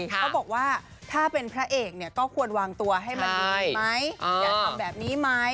เขาบอกว่าถ้าเป็นพระเอกเนี่ยก็ควรวางตัวให้มันดีไหมอย่าทำแบบนี้ไหม